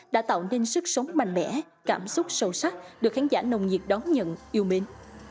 đã tạo nên sức sống mạnh mẽ cảm xúc sâu sắc được khán giả nồng nhiệt đón nhận yêu mến